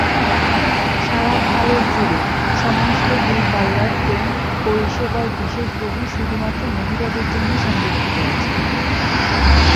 সারা ভারত জুড়ে, সমস্ত দূরপাল্লার ট্রেন পরিষেবার বিশেষ বগি শুধুমাত্র মহিলাদের জন্য সংরক্ষিত আছে।